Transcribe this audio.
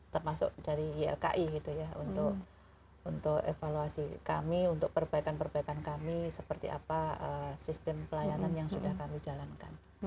termasuk dari ylki gitu ya untuk evaluasi kami untuk perbaikan perbaikan kami seperti apa sistem pelayanan yang sudah kami jalankan